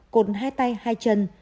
cột hai tay hai chân